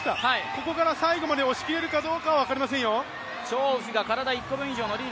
ここから最後まで押し切れるかどうかはわかりませんよ。